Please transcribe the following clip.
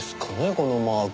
このマーク。